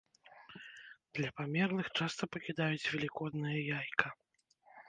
Для памерлых часта пакідаюць велікоднае яйка.